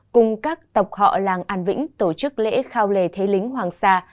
cùng các tộc họ làng an vĩnh tổ chức lễ khao lề thế lính hoàng sa